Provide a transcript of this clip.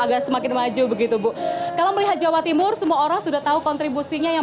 agak semakin maju begitu bu kalau melihat jawa timur semua orang sudah tahu kontribusinya yang